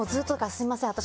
「すいません私